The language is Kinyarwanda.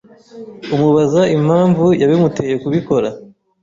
amubaza impamvu yabimuteye kubikora